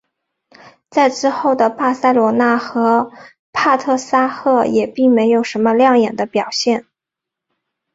在之后的巴塞罗那和帕特沙赫也并没有什么亮眼的表现。